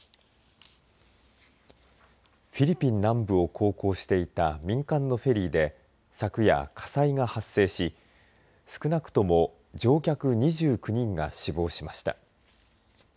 フィリピン南部を航行していた民間のフェリーで昨夜、火災が発生し少なくとも乗客２９人が死亡しました。